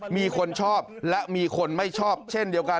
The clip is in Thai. มีคนชอบและมีคนไม่ชอบเช่นเดียวกัน